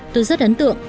tôi rất ấn tượng